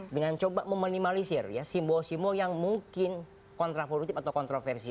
dengan coba meminimalisir simbol simbol yang mungkin kontraproduktif atau kontroversial